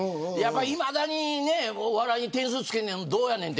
いまだに、お笑いに点数をつけるのはどうやねんと。